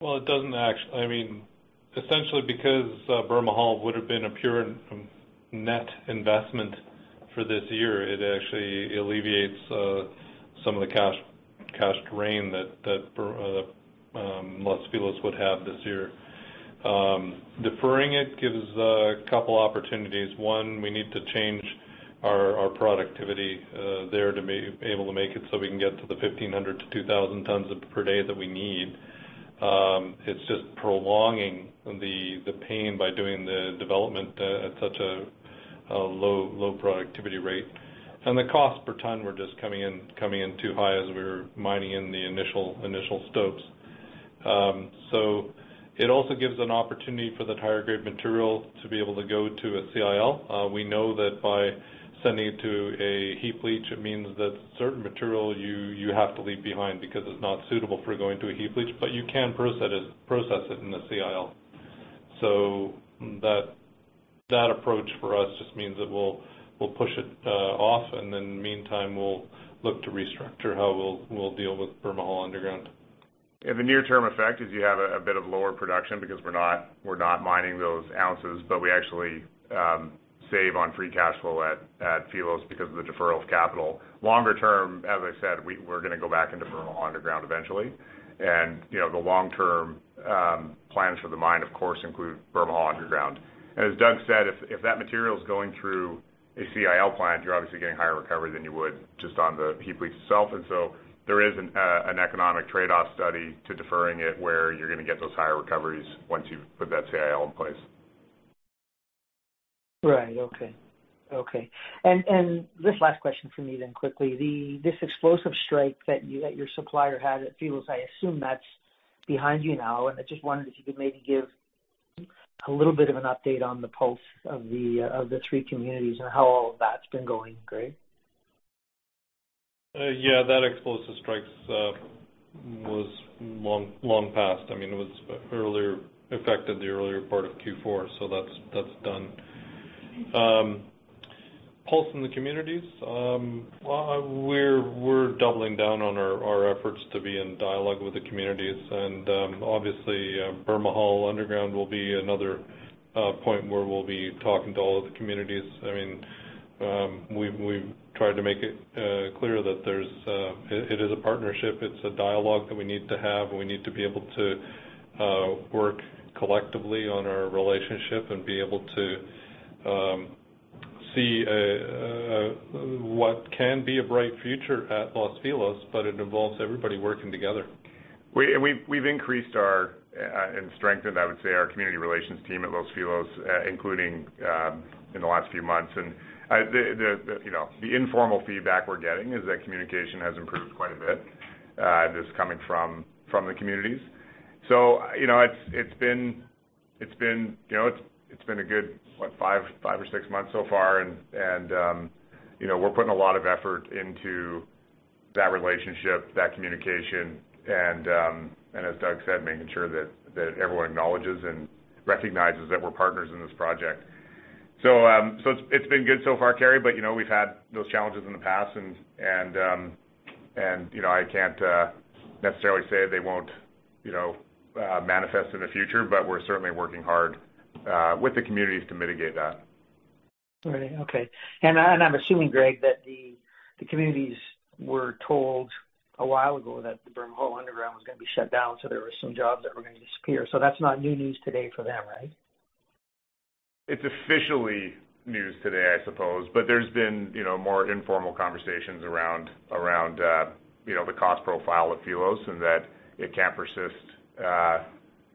Well, I mean, essentially because, Bermejal would've been a pure net investment for this year, it actually alleviates some of the cash drain that Los Filos would have this year. Deferring it gives a couple opportunities. One, we need to change our productivity there to be able to make it so we can get to the 1,500 to 2,000 tons of per day that we need. It's just prolonging the pain by doing the development at such a low productivity rate. The cost per ton were just coming in too high as we were mining in the initial stopes. It also gives an opportunity for the higher grade material to be able to go to a CIL. We know that by sending it to a heap leach, it means that certain material you have to leave behind because it's not suitable for going to a heap leach, but you can process it in a CIL. That approach for us just means that we'll push it off and then meantime, we'll look to restructure how we'll deal with Bermejal underground. The near term effect is you have a bit of lower production because we're not, we're not mining those ounces, but we actually save on free cash flow at Los Filos because of the deferral of capital. Longer term, as I said, we're gonna go back into Bermejal underground eventually. You know, the long-term plans for the mine, of course, include Bermejal underground. As Doug said, if that material is going through a CIL plant, you're obviously getting higher recovery than you would just on the heap leach itself. So there is an economic trade-off study to deferring it where you're gonna get those higher recoveries once you've put that CIL in place. Right. Okay. This last question for me then quickly. This explosive strike that your supplier had at Filos, I assume that's behind you now. I just wondered if you could maybe give a little bit of an update on the pulse of the of the three communities and how all of that's been going, Greg? Yeah, that explosive strikes was long, long past. I mean, it affected the earlier part of Q4, that's done. Pulse in the communities. Well, we're doubling down on our efforts to be in dialogue with the communities. Obviously, Bermejal underground will be another point where we'll be talking to all of the communities. I mean, we've tried to make it clear that there's it is a partnership. It's a dialogue that we need to have, we need to be able to work collectively on our relationship and be able to see what can be a bright future at Los Filos, it involves everybody working together. We've increased our and strengthened, I would say, our community relations team at Los Filos, including in the last few months. The, you know, the informal feedback we're getting is that communication has improved quite a bit, just coming from the communities. You know, it's been, you know, it's been a good, what, five or six months so far. You know, we're putting a lot of effort into that relationship, that communication, and as Doug said, making sure that everyone acknowledges and recognizes that we're partners in this project. so it's been good so far, kerry, but, you know, we've had those challenges in the past and, you know, I can't necessarily say they won't, you know, manifest in the future, but we're certainly working hard with the communities to mitigate that. Right. Okay. I, and I'm assuming, Greg, that the communities were told a while ago that the Bermejal underground was gonna be shut down, so there were some jobs that were gonna disappear. That's not new news today for them, right? It's officially news today, I suppose, but there's been, you know, more informal conversations around, you know, the cost profile at Los Filos and that it can't persist,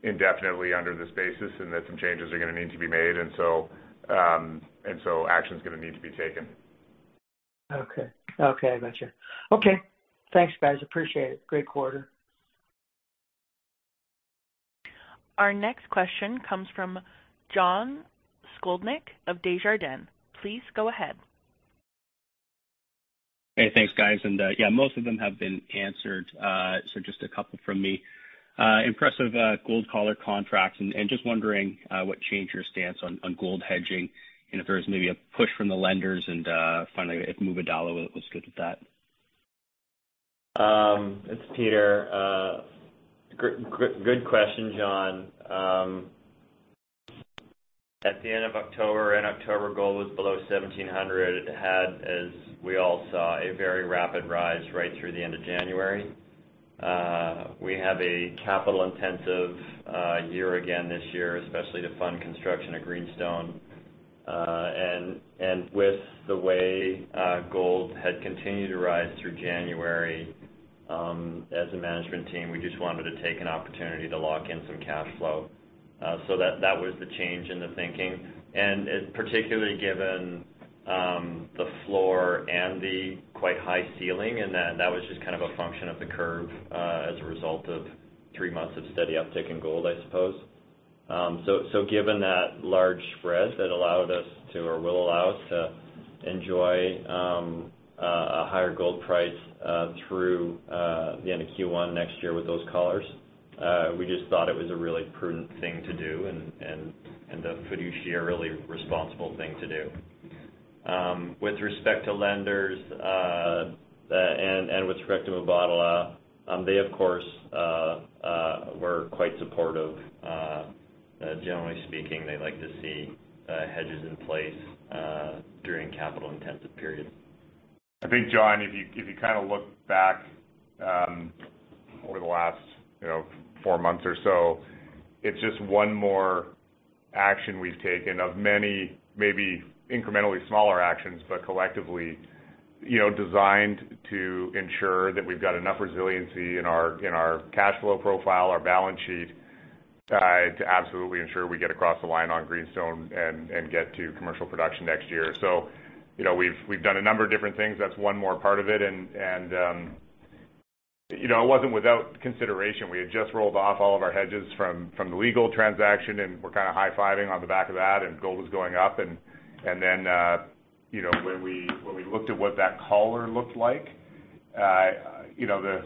indefinitely under this basis and that some changes are gonna need to be made. So, action's gonna need to be taken. Okay. Gotcha. Okay. Thanks, guys. Appreciate it. Great quarter. Our next question comes from John Sclodnick of Desjardins. Please go ahead. Hey, thanks, guys. Yeah, most of them have been answered, just a couple from me. Impressive gold collar contracts and just wondering what changed your stance on gold hedging and if there was maybe a push from the lenders. Finally, if Mubadala was good with that. It's Peter. Good question, John. At the end of October, in October, gold was below 1,700. It had, as we all saw, a very rapid rise right through the end of January. We have a capital intensive year again this year, especially to fund construction of Greenstone. And with the way gold had continued to rise through January, as a management team, we just wanted to take an opportunity to lock in some cash flow. That, that was the change in the thinking. Particularly given the floor and the quite high ceiling, and that was just kind of a function of the curve, as a result of three months of steady uptick in gold, I suppose. Given that large spread, that allowed us to, or will allow us to enjoy a higher gold price through the end of Q1 next year with those collars. We just thought it was a really prudent thing to do and a fiduciarily responsible thing to do. With respect to lenders, and with respect to [Lobato, they, of course, were quite supportive. Generally speaking, they like to see hedges in place during capital intensive periods. I think, John, if you kind of look back, over the last, you know, four months or so, it's just one more action we've taken of many maybe incrementally smaller actions, but collectively, you know, designed to ensure that we've got enough resiliency in our cash flow profile, our balance sheet, to absolutely ensure we get across the line on Greenstone and get to commercial production next year. You know, we've done a number of different things. That's one more part of it. And, you know, it wasn't without consideration. We had just rolled off all of our hedges from the legal transaction, and we're kind of high-fiving on the back of that, and gold was going up. You know, when we looked at what that collar looked like, you know,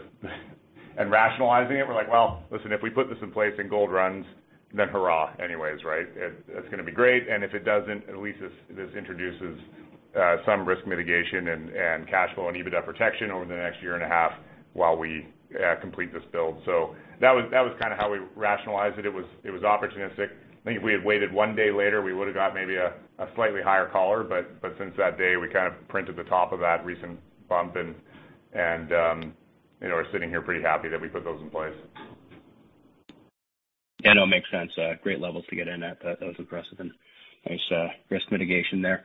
and rationalizing it, we're like, "Well, listen, if we put this in place and gold runs, then hurrah anyways," right? It's gonna be great. If it doesn't, at least this introduces some risk mitigation and cash flow and EBITDA protection over the next year and a half while we complete this build. That was kind of how we rationalized it. It was opportunistic. I think if we had waited one day later, we would have got maybe a slightly higher collar, since that day, we kind of printed the top of that recent bump and, you know, we're sitting here pretty happy that we put those in place. Yeah. No, it makes sense. Great levels to get in at. That was impressive and nice, risk mitigation there.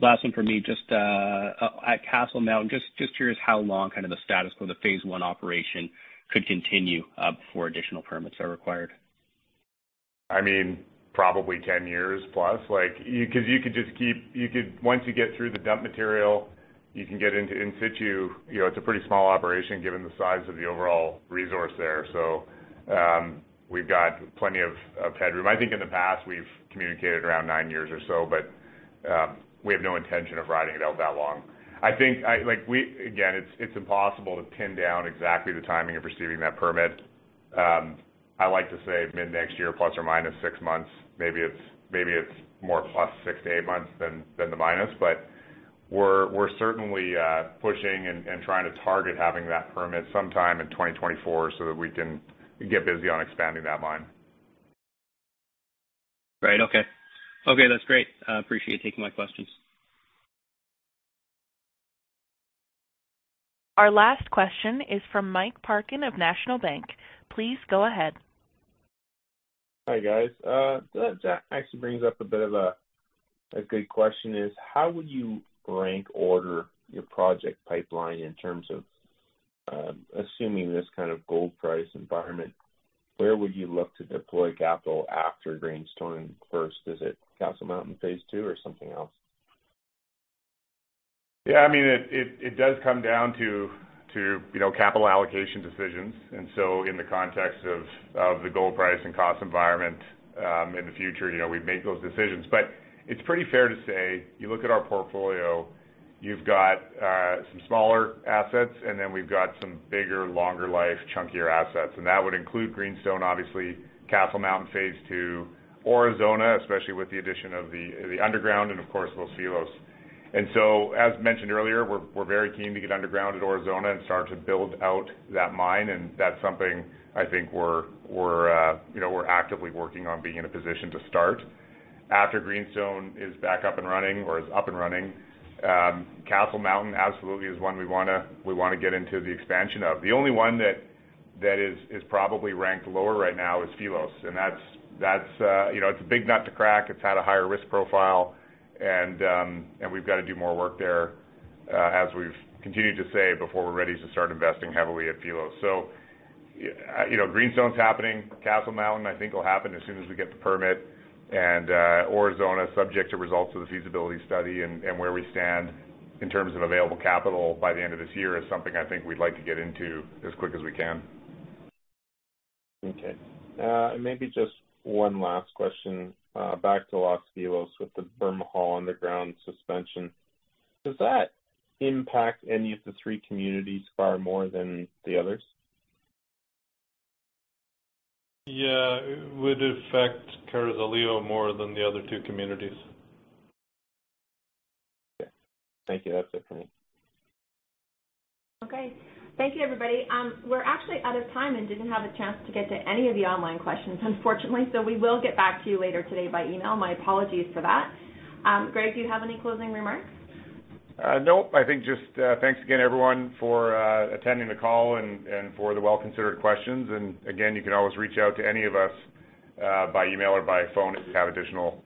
Last one for me. Just, at Castle Mountain, just curious how long kind of the status quo, the phase one operation could continue, before additional permits are required. I mean, probably 10 years plus. Like, once you get through the dump material, you can get into in situ. You know, it's a pretty small operation given the size of the overall resource there. We've got plenty of headroom. I think in the past, we've communicated around nine years or so, but, we have no intention of riding it out that long. I think, again, it's impossible to pin down exactly the timing of receiving that permit. I like to say mid-next year plus or minus six months. Maybe it's, maybe it's more plus six to eight months than the minus. We're certainly pushing and trying to target having that permit sometime in 2024 so that we can get busy on expanding that mine. Right. Okay. Okay, that's great. I appreciate you taking my questions. Our last question is from Mike Parkin of National Bank. Please go ahead. Hi, guys. That actually brings up a bit of a good question, is how would you rank order your project pipeline in terms of, assuming this kind of gold price environment, where would you look to deploy capital after Greenstone first? Is it Castle Mountain phase two or something else? Yeah, I mean, it does come down to, you know, capital allocation decisions. In the context of the gold price and cost environment, in the future, you know, we've made those decisions. It's pretty fair to say, you look at our portfolio, you've got some smaller assets, and then we've got some bigger, longer life, chunkier assets. That would include Greenstone, obviously, Castle Mountain Phase 2 Aurizona, especially with the addition of the underground, and of course, Los Filos. As mentioned earlier, we're very keen to get underground at Aurizona and start to build out that mine, and that's something I think we're, you know, we're actively working on being in a position to start. After Greenstone is back up and running or is up and running, Castle Mountain absolutely is one we wanna, we wanna get into the expansion of. The only one that is probably ranked lower right now is Filos. That's, that's, you know, it's a big nut to crack. It's had a higher risk profile and we've got to do more work there, as we've continued to say, before we're ready to start investing heavily at Filos. You know, Greenstone's happening. Castle Mountain, I think will happen as soon as we get the permit. Aurizona subject to results of the feasibility study and where we stand in terms of available capital by the end of this year is something I think we'd like to get into as quick as we can. Okay. maybe just one last question, back to Los Filos with the Bermejal underground suspension. Does that impact any of the three communities far more than the others? Yeah. It would affect Carrizalillo more than the other two communities. Okay. Thank you. That's it for me. Okay. Thank you, everybody. We're actually out of time and didn't have a chance to get to any of the online questions, unfortunately. We will get back to you later today by email. My apologies for that. Greg, do you have any closing remarks? No. I think just, thanks again, everyone, for attending the call and for the well-considered questions. Again, you can always reach out to any of us, by email or by phone if you have additional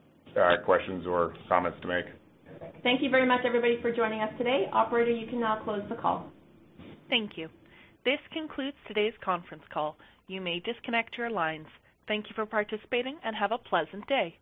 questions or comments to make. Perfect. Thank you very much, everybody, for joining us today. Operator, you can now close the call. Thank you. This concludes today's conference call. You may disconnect your lines. Thank you for participating and have a pleasant day.